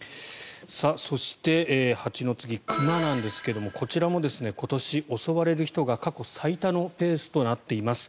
そして蜂の次、熊なんですがこちらも今年、襲われる人が過去最多のペースとなっています。